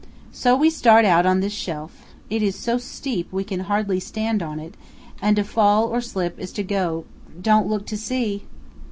So we start out on the shelf; it is so steep we can hardly stand on it, and to fall or slip is to go don't look to see!